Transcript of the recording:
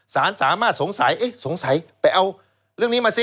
สารสามารถสงสัยสงสัยไปเอาเรื่องนี้มาซิ